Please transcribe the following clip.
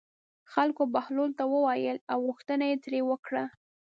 خلکو بهلول ته وویل او غوښتنه یې ترې وکړه.